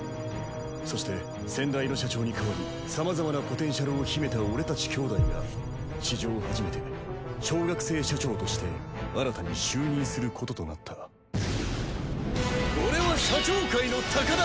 そして先代の社長にかわりさまざまなポテンシャルを秘めた俺たち兄弟が史上初めて小学生社長として新たに就任することとなった俺は社長界の鷹だ！